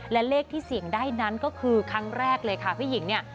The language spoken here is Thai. และเลขที่เสี่ยงได้นั้นก็คือครั้งแรกเลยค่ะพี่หญิงเนี่ย